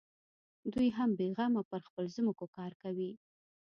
دوى هم بېغمه پر خپلو ځمکو کار کوي.